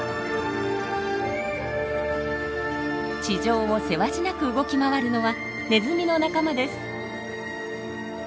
地上をせわしなく動き回るのはネズミの仲間です。